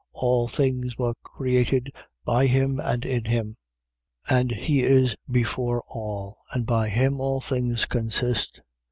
All things were created by him and in him. 1:17. And he is before all: and by him all things consist.